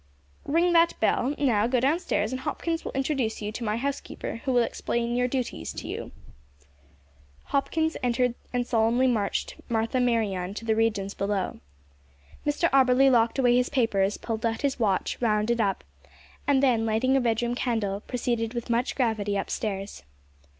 "Ring that bell; now, go downstairs and Hopkins will introduce you to my housekeeper, who will explain your duties to you." Hopkins entered and solemnly marched Martha Merryon to the regions below. Mr Auberly locked away his papers, pulled out his watch, wound it up, and then, lighting a bedroom candle, proceeded with much gravity upstairs.